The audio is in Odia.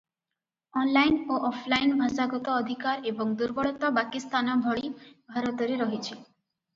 ଅନଲାଇନ ଓ ଅଫଲାଇନ ଭାଷାଗତ ଅଧିକାର ଏବଂ ଦୁର୍ବଳତା ବାକି ସ୍ଥାନ ଭଳି ଭାରତରେ ରହିଛି ।